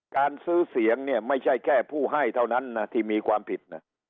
การซื้อเสียงเนี่ยไม่ใช่แค่ผู้ให้เท่านั้นนะที่มีความผิดนะ